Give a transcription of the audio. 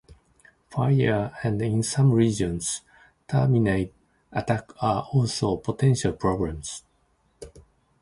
Fire and, in some regions, termite attack are also potential problems.